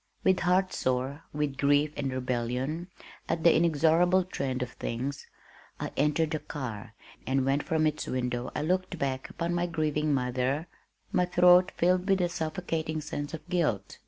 With heart sore with grief and rebellion at "the inexorable trend of things," I entered the car, and when from its window I looked back upon my grieving mother, my throat filled with a suffocating sense of guilt.